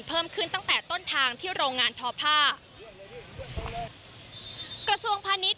เพิ่มขึ้นตั้งแต่ต้นทางที่โรงงานทอผ้ากระทรวงพาณิชย